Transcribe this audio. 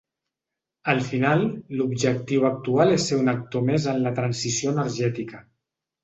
Al final, l’objectiu actual és ser un actor més en la transició energètica.